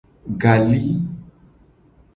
Gali.